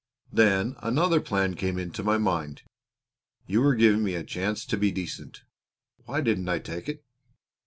Then another plan came into my mind. You were giving me a chance to be decent why didn't I take it?